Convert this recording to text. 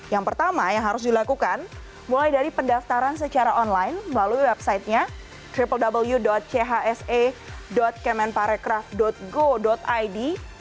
yang pertama yang harus dilakukan mulai dari pendaftaran secara online melalui websitenyaw chse kemenparekraf go id